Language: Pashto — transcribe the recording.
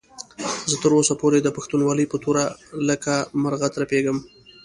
زه تر اوسه پورې د پښتونولۍ په تور لکه مرغه ترپېږم.